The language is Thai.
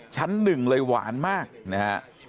ชั้นหนึ่งเลยหวานมากนะฮะ